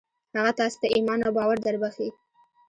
هغه تاسې ته ايمان او باور دربښي.